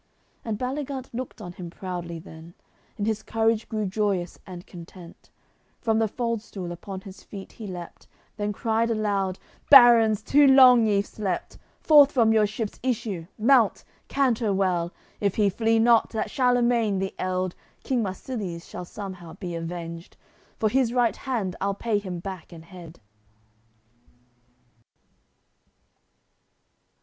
And Baligant looked on him proudly then, In his courage grew joyous and content; From the fald stool upon his feet he leapt, Then cried aloud: "Barons, too long ye've slept; Forth from your ships issue, mount, canter well! If he flee not, that Charlemagne the eld, King Marsilies shall somehow be avenged; For his right hand I'll pay him back an head."